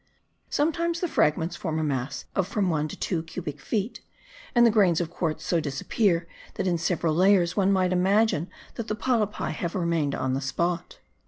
Sometimes the fragments form a mass of from one to two cubic feet and the grains of quartz so disappear that in several layers one might imagine that the polypi have remained on the spot.